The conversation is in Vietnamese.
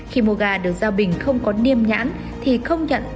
khi mua ga được giao bình không có niêm nhãn thì không nhận